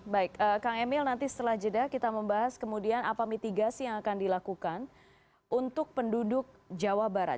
baik kang emil nanti setelah jeda kita membahas kemudian apa mitigasi yang akan dilakukan untuk penduduk jawa barat